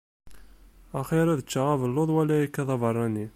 Axir ad ččeɣ abelluḍ wala akka d abeṛṛani.